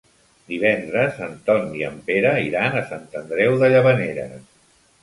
Divendres en Ton i en Pere iran a Sant Andreu de Llavaneres.